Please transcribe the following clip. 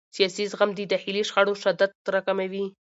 سیاسي زغم د داخلي شخړو شدت راکموي